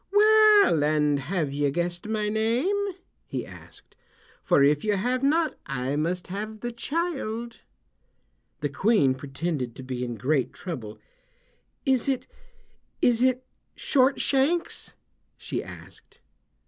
"Well, and have you guessed my name?" he asked; "for if you have not I must have the child." The Queen pretended to be in great trouble. "Is it—is it Short Shanks?" she asked.